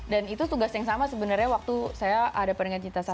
dan itu tugas yang sama sebenarnya waktu saya ada peringan cinta satu